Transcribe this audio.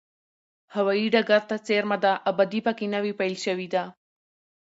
هوایي ډګر ته څېرمه ده، ابادي په کې نوې پیل شوې ده.